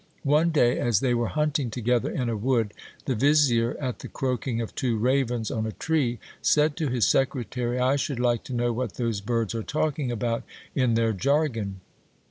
One day as they were hunting together in a wood, the vizier, at the croaking of two ravens on a tree, said to his secretary — I should like to know what those birds are talking about in their jargon.